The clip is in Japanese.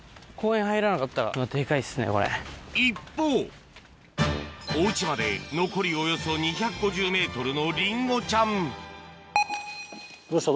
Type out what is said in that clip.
一方おウチまで残りおよそ２５０ｍのリンゴちゃんどうした？